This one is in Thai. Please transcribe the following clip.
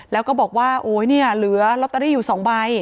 แล้วก็บอกว่าโอ๊ยเนี่ยเหลือลอตเตอรี่อยู่๒ใบ